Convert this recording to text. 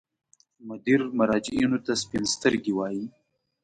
مدیر مراجعینو ته سپین سترګي وایي.